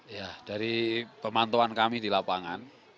ya dari pemantauan kami di lapangan